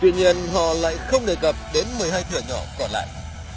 tuy nhiên họ lại không đề cập đến một mươi hai cửa nhỏ còn lại